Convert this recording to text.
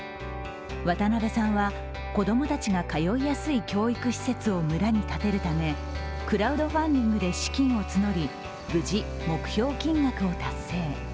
渡邊さんは、子供たちが通いやすい教育施設を村に建てるため、クラウドファンディングで資金を募り、無事、目標金額を達成。